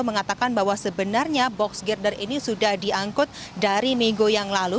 mengatakan bahwa sebenarnya box girder ini sudah diangkut dari minggu yang lalu